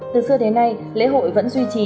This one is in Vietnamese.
từ xưa đến nay lễ hội vẫn duy trì